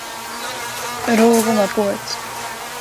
Rūguma pods!